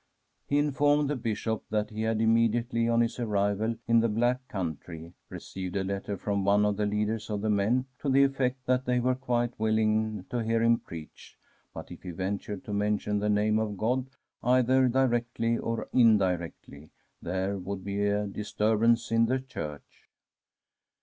He informed the Bishop that he had immediately on his arrival in the Black Country received a letter from one of the leaders of the men to the effect that they were quite willing to hear him preach, but if he ventured to mention the name of God either directly or indirectly, there would be a disturbance in the church.